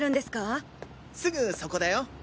すぐそこだよ。